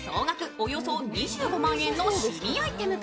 およそ２５万円の趣味アイテムか。